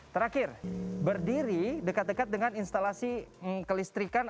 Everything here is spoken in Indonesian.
terakhir berdiri dekat dekat dengan instalasi kelistrikan